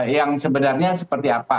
yang sebenarnya seperti apa